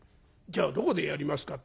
『じゃあどこでやりますか？』